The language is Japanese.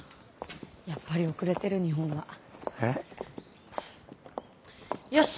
やっぱり遅れてる日本は。えっ？よし！